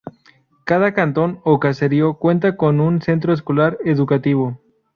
Cada Cantón o Caserío cuenta con un Centro Escolar Educativo.